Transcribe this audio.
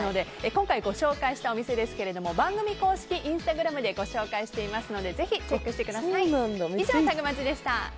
今回ご紹介したお店ですが番組公式インスタグラムでご紹介しているのでぜひチェックしてください。